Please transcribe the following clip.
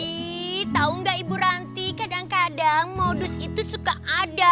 ih tau gak ibu ranti kadang kadang modus itu suka ada